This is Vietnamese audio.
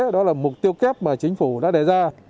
đó là mục tiêu kép mà chính phủ đã đề ra